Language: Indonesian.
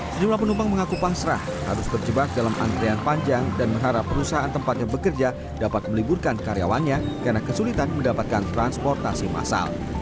sejumlah penumpang mengaku pasrah harus terjebak dalam antrian panjang dan mengharap perusahaan tempatnya bekerja dapat meliburkan karyawannya karena kesulitan mendapatkan transportasi massal